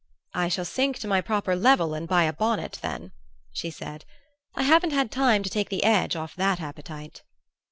"I shall sink to my proper level and buy a bonnet, then," she said. "I haven't had time to take the edge off that appetite."